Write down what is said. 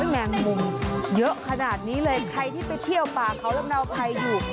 แมงมุมเยอะขนาดนี้เลยใครที่ไปเที่ยวป่าเขาลำเนาใครอยู่